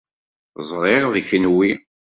Ẓriɣ d kenwi.